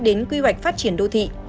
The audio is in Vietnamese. đến quy hoạch phát triển đô thị